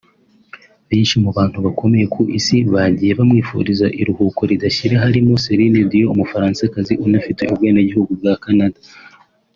Benshi mu bantu bakomeye ku Isi bagiye bamwifuriza iruhuko ridashira harimo Celine Dio umufaransakazi unafite ubwenegihugu bwa Canada